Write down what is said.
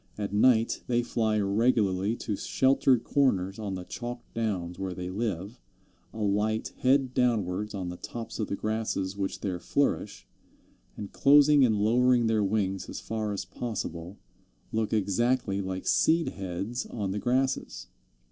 At night they fly regularly to sheltered corners on the chalk downs where they live, alight head downwards on the tops of the grasses which there flourish, and closing and lowering their wings as far as possible, look exactly like seed heads on the grasses.